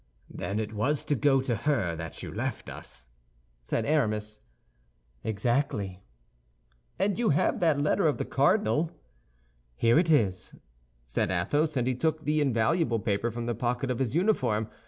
"Then it was to go to her that you left us?" said Aramis. "Exactly." "And you have that letter of the cardinal?" said D'Artagnan. "Here it is," said Athos; and he took the invaluable paper from the pocket of his uniform.